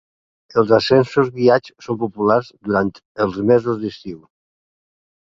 Els ascensos guiats són populars durant els mesos d'estiu.